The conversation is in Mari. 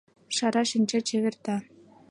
Шара шинча чеверта.